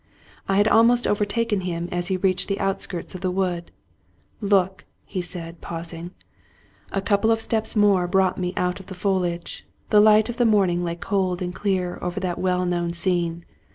I had almost overtaken him as he reached the outskirts of the wood. " Look," said he, pausing. A couple of steps more brought me out of the foliage. The light of the morning lay cold and clear over that well known scene.